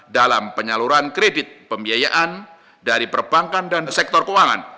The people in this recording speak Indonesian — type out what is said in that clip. dalam penyaluran kredit pembiayaan dari perbankan dan sektor keuangan